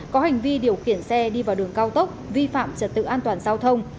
có hành vi điều khiển xe đi vào đường cao tốc vi phạm trật tự an toàn giao thông